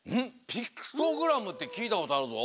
ピクトグラムってきいたことあるぞ。